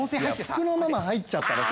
服のまま入っちゃったらさ。